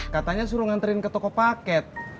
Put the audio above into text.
katanya suruh nganterin ke toko paket